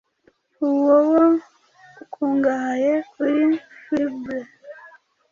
uwo wo ukungahaye kuri fibres